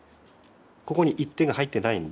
ここに「行ッテ」が入ってないんです。